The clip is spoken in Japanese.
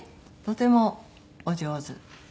とてもお上手。